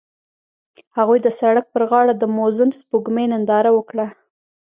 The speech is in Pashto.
هغوی د سړک پر غاړه د موزون سپوږمۍ ننداره وکړه.